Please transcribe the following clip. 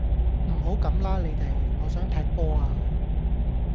唔好咁啦你哋，我想踢波呀